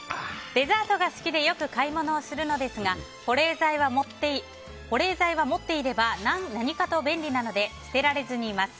デザートが好きでよく買い物をするのですが保冷剤は持っていれば何かと便利なので捨てられずにいます。